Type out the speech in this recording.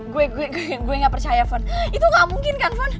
gue gue gue gak percaya fon itu gak mungkin kan fon